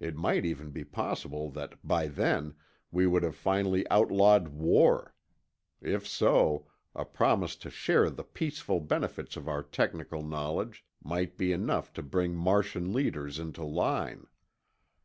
It might even be possible that by then we would have finally outlawed war; if so, a promise to share the peaceful benefits of our technical knowledge might be enough to bring Martian leaders into line.